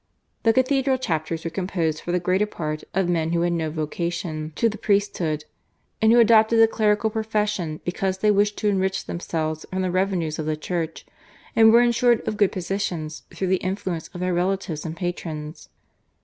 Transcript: The cathedral chapters were composed for the greater part of men who had no vocation to the priesthood, and who adopted the clerical profession because they wished to enrich themselves from the revenues of the Church, and were ensured of good positions through the influence of their relatives and patrons.